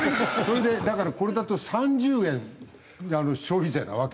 だからこれだと３０円消費税なわけ。